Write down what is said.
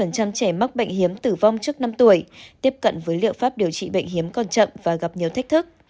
ba mươi trẻ mắc bệnh hiếm tử vong trước năm tuổi tiếp cận với liệu pháp điều trị bệnh hiếm còn chậm và gặp nhiều thách thức